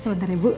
sebentar ya bu